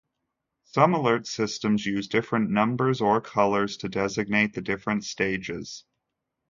Some alert systems use different numbers or colors to designate the different stages.